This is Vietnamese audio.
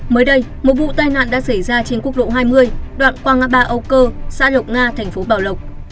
mới đây một vụ tai nạn đã xảy ra trên quốc lộ hai mươi đoạn qua ngã ba âu cơ xã lộc nga thành phố bảo lộc